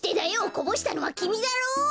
こぼしたのはきみだろ！